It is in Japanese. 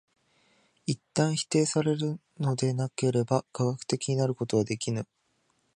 一旦否定されるのでなければ科学的になることはできぬ。